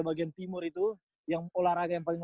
bagian timur itu yang olahraga yang paling